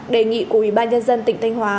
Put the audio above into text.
đề nghị của ủy ban nhân dân tỉnh thanh hóa